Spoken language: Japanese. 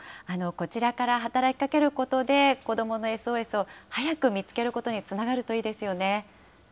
こちらから働きかけることで、子どものＳＯＳを早く見つけることにつながるといいですよね。